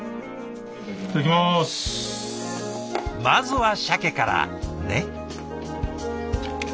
まずはしゃけからね。